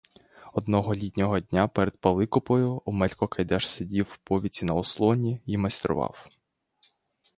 Одного літнього дня перед паликопою Омелько Кайдаш сидів в повітці на ослоні й майстрував.